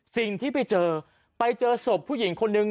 สิ่งที่ไปเจอไปเจอศพผู้หญิงคนนึง